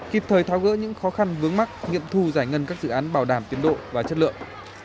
kịp thời tháo gỡ những khó khăn vướng mắt nghiệm thu giải ngân các dự án bảo đảm tiến độ và chất lượng